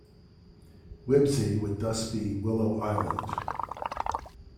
Wibsey would thus be "willow island".